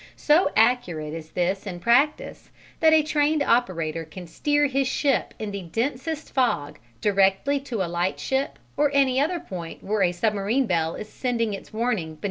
So accurate is this in practice that a trained operator can steer his ship in the densest fog directly to a lightship or any other point where a submarine bell is sending its warning beneath the sea.